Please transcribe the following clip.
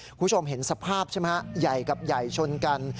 คุณผู้ชมเห็นสภาพใช่ไหมฮะใหญ่กับใหญ่ชนกัน